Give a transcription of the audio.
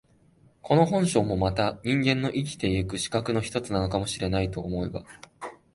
この本性もまた人間の生きて行く資格の一つなのかも知れないと思えば、